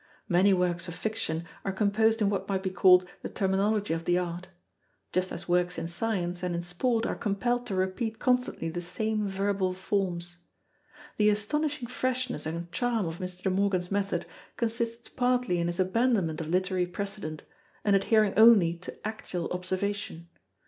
Many works of fiction are composed in what might be called the terminology of the art; just as works in science and in sport are compelled to repeat constantly the same verbal forms. The astonishing freshness and charm of Mr. De Morgan's method consist partly in his abandonment of literary precedent, and adhering only to actual observation.